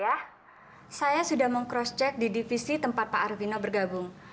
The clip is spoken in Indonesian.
ya saya sudah meng crosscheck di divisi tempat pak arvino bergabung